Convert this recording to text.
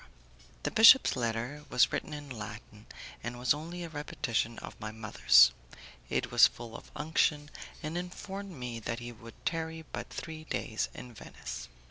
The bishop's letter was written in Latin, and was only a repetition of my mother's. It was full of unction, and informed me that he would tarry but three days in Venice.